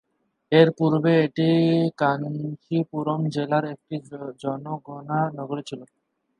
এর পূর্বে এটি কাঞ্চীপুরম জেলার একটি জনগণনা নগরী ছিল।